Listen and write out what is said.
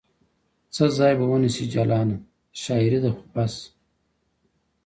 څه ځای به ونیسي جلانه ؟ شاعرې ده خو بس